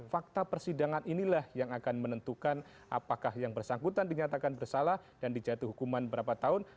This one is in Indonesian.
fakta persidangan inilah yang akan menentukan apakah yang bersangkutan dinyatakan bersalah dan dijatuh hukuman berapa tahun